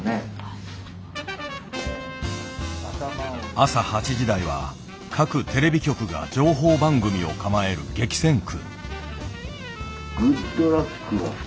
朝８時台は各テレビ局が情報番組を構える激戦区。